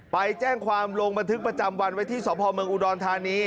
ไปแจ้งความลงบันทึกประจำวันไว้ที่สพเมืองอุดรธานี